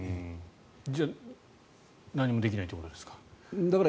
じゃあ何もできないということですか。